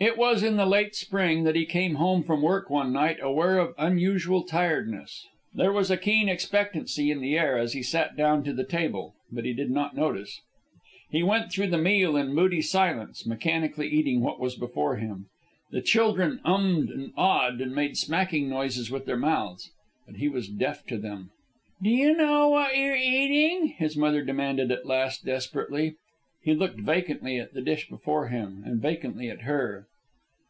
It was in the late spring that he came home from work one night aware of unusual tiredness. There was a keen expectancy in the air as he sat down to the table, but he did not notice. He went through the meal in moody silence, mechanically eating what was before him. The children um'd and ah'd and made smacking noises with their mouths. But he was deaf to them. "D'ye know what you're eatin'?" his mother demanded at last, desperately. He looked vacantly at the dish before him, and vacantly at her.